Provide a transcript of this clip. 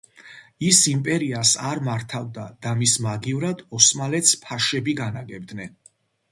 ის იმპერიას არ მართავდა და მის მაგივრად ოსმალეთს ფაშები განაგებდნენ.